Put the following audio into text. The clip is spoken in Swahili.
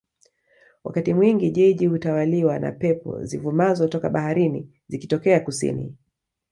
Wakati mwingi jiji hutawaliwa na pepo zivumazo toka baharini zikitokea Kusini